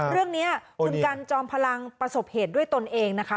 เรื่องนี้คุณกันจอมพลังประสบเหตุด้วยตนเองนะคะ